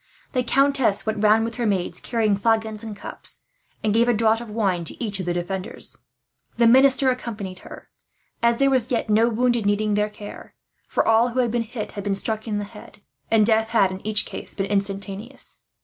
The countess went round, with her maids carrying flagons and cups, and gave a draught of wine to each of the defenders. The minister accompanied her. As yet there were no wounded needing their care, for all who had been hit had been struck in the head; and death had, in each case, been instantaneous.